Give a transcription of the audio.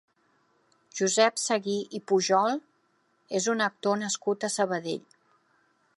Josep Seguí i Pujol és un actor nascut a Sabadell.